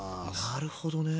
なるほどね。